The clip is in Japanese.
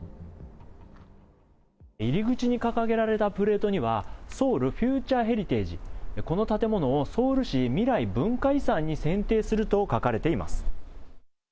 入り口に掲げられたプレートには、ソウルフューチャーフェリテージ、この建物をソウル市未来文化遺産に選定すると書かれています。